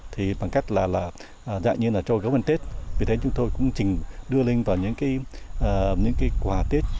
thì bằng cách là dạng như là cho gấu ăn tết vì thế chúng tôi cũng chỉ đưa lên vào những cái quà tết